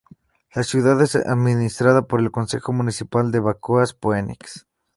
La ciudad es administrada por el Consejo municipal de Vacoas-Phoenix.